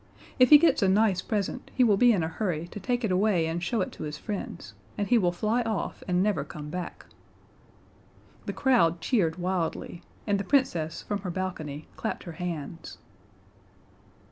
If he gets a nice present he will be in a hurry to take it away and show it to his friends, and he will fly off and never come back." The crowd cheered wildly and the Princess from her balcony clapped her hands.